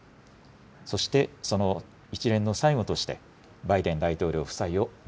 そして、その一連の最後として、バイデン大統領夫妻を今、